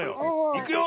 いくよ。